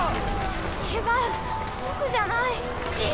違う僕じゃない。